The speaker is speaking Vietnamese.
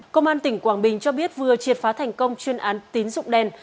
công an tỉnh quảng bình cho biết vừa triệt phá thành công chuyên án tín dụng đen